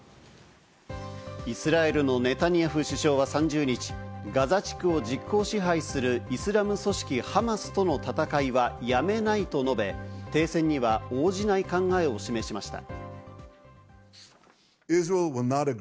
イスラエルのネタニヤフ首相は３０日、ガザ地区を実効支配するイスラム組織ハマスとの戦いはやめないと述べ、停戦には応じない考えを示しました。